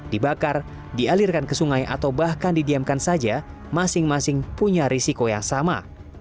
dibakar dialirkan ke sungai atau bahkan didiamkan saja masing masing punya risiko yang sama